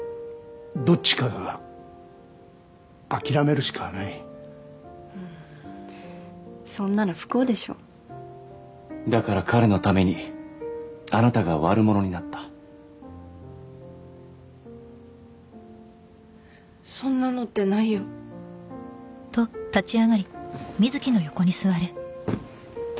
どっちかが諦めるしかないそんなの不幸でしょだから彼のためにあなたが悪者になったそんなのってないよだ